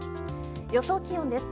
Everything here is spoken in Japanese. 予想気温です。